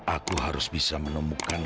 aku harus bisa menemukan